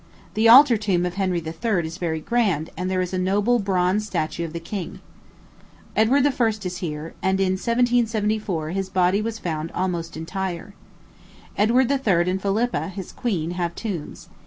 The altar tomb of Henry III. is very grand, and there is a noble bronze statue of the king. Edward I. is here, and in 1774 his body was found almost entire. Edward III. and Philippa, his queen, have tombs.